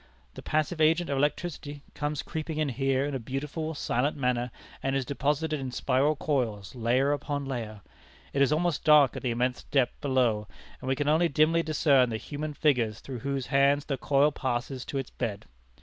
The passive agent of electricity comes creeping in here in a beautiful, silent manner, and is deposited in spiral coils, layer upon layer. It is almost dark at the immense depth below, and we can only dimly discern the human figures through whose hands the coil passes to its bed.